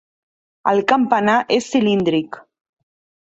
El campanar és cilíndric.